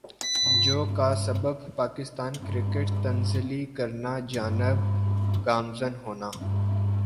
جو کا سبب پاکستان کرکٹ تنزلی کرنا جانب گامزن ہونا